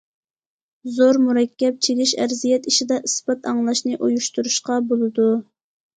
زور، مۇرەككەپ، چىگىش ئەرزىيەت ئىشىدا ئىسپات ئاڭلاشنى ئۇيۇشتۇرۇشقا بولىدۇ.